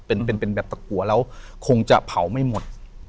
เป็นแบบตะกัวแล้วคงจะเผาไม่หมด